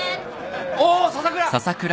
おっ笹倉。